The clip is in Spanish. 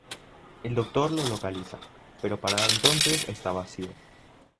El Doctor lo localiza, pero para entonces está vacío.